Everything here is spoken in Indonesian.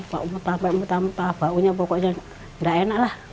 bakunya pokoknya gak enak lah